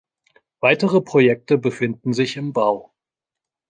Weitere Projekte befinden sich im Bau.